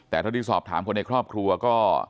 แต่เท่าที่สอบถามคนในครอบครัวก็